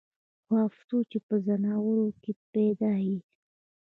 خو افسوس چې پۀ ځناورو کښې پېدا ئې